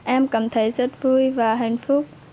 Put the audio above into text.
em cảm thấy rất vui và hạnh phúc